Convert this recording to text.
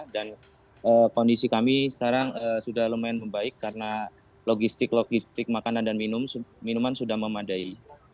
dan kondisi kami sekarang sudah lumayan membaik karena logistik logistik makanan dan minuman sudah memadai